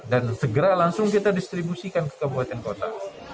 dan segera langsung kita distribusikan ke kabupaten kota